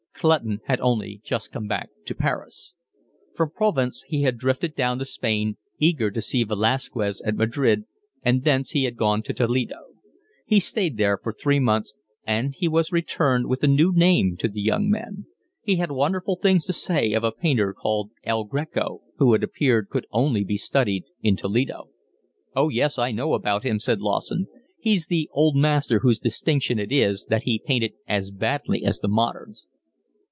Clutton had only just come back to Paris. From Provence he had drifted down to Spain, eager to see Velasquez at Madrid, and thence he had gone to Toledo. He stayed there three months, and he was returned with a name new to the young men: he had wonderful things to say of a painter called El Greco, who it appeared could only be studied in Toledo. "Oh yes, I know about him," said Lawson, "he's the old master whose distinction it is that he painted as badly as the moderns."